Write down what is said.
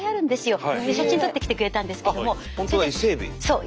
そう。